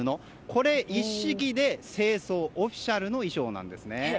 これ一式で正装オフィシャルの衣装なんですね。